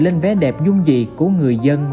lên vé đẹp dung dị của người dân